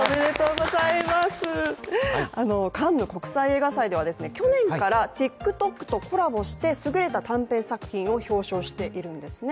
カンヌ国際映画祭では去年からＴｉｋＴｏｋとコラボしてすぐれた短編作品を表彰しているんですね。